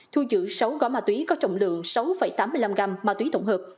thu dự sáu gó ma túy có trọng lượng sáu tám mươi năm gram ma túy tổng hợp